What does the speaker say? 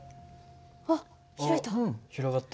あっ開いた。